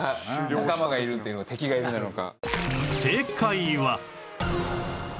仲間がいるっていうのか敵がいるなのか。